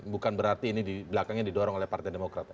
bukan berarti ini di belakangnya didorong oleh partai demokrat